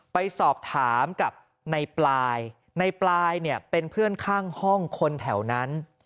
ไปสอบถามกับในปลายในปลายเนี่ยเป็นเพื่อนข้างห้องคนแถวนั้น